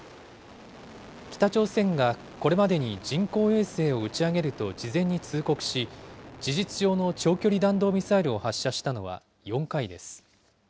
北朝鮮がこれまでに人工衛星を打ち上げると事前に通告し、事実上の長距離弾道ミサイルを発射したのは４回です。